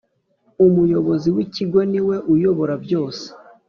Umuyobozi w Ikigo ni we uyobora byose